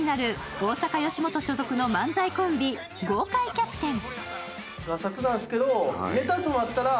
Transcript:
大阪吉本所属の漫才コンビ、豪快キャプテン。